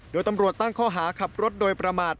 โดยตำรวจตั้งข้อหาขับรถโดยประมาท